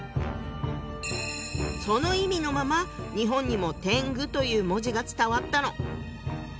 その意味のまま日本にも「天狗」という文字が伝わったの。